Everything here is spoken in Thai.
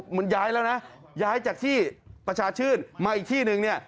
มันย้ายแล้วนะย้ายจากที่ประชาชื่นมาอีกที่นึงเนี่ย